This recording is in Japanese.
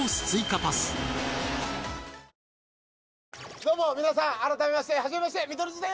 どうも皆さん改めましてはじめまして見取り図です！